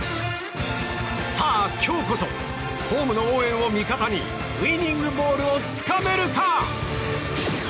さあ、今日こそホームの応援を味方にウイニングボールをつかめるか？